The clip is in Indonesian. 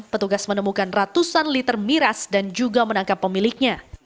petugas menemukan ratusan liter miras dan juga menangkap pemiliknya